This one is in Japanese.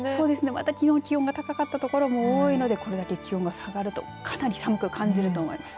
また、きのう気温が高かった所も多いのでこれだけ気温が下がるとかなり寒く感じると思います。